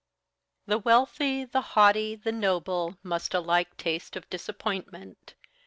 The wealthy, the haughty, the noble must alike taste of disappointment.